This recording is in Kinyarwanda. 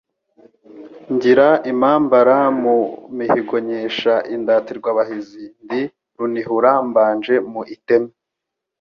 Ngira impambara mu mihigoNkesha indatirwabahizi.. Ndi Runihura mbanje mu iteme